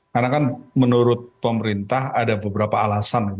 karena kan menurut pemerintah ada beberapa alasan